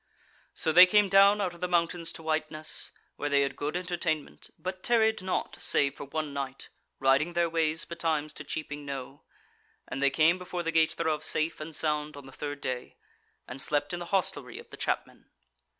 So they came down out of the mountains to Whiteness, where they had good entertainment, but tarried not save for one night, riding their ways betimes to Cheaping Knowe: and they came before the gate thereof safe and sound on the third day; and slept in the hostelry of the chapmen.